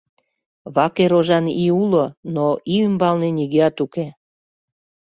Ваке рожан ий уло, но ий ӱмбалне нигӧат уке.